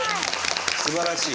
すばらしい。